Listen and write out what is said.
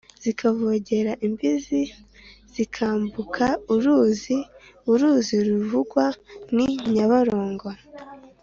zikavogera imbizi: zikambuka uruzi ( uruzi ruvugwa ni nyabarongo)